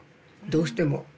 どうしても。